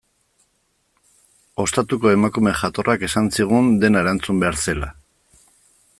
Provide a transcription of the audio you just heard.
Ostatuko emakume jatorrak esan zigun dena erantzun behar zela.